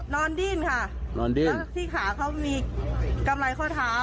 นอนดิ้นค่ะแล้วที่ขาเขามีกำไรข้อเท้า